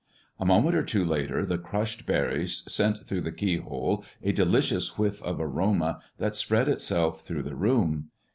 A moment or two later the crushed berries sent through the keyhole a delicious whiff of aroma that spread itself through the room.